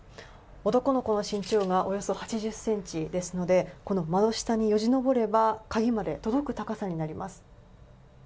男の子の身長がおよそ８０ｃｍですのでこの窓下によじ登れば鍵まで届く高さになります。